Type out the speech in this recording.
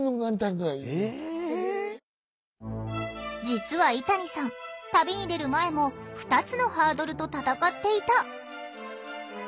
実は井谷さん旅に出る前も２つのハードルと戦っていた。